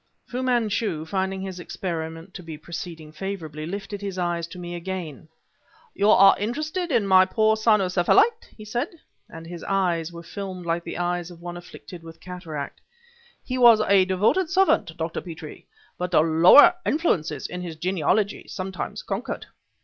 Fu Manchu, finding his experiment to be proceeding favorably, lifted his eyes to me again. "You are interested in my poor Cynocephalyte?" he said; and his eyes were filmed like the eyes of one afflicted with cataract. "He was a devoted servant, Dr. Petrie, but the lower influences in his genealogy, sometimes conquered.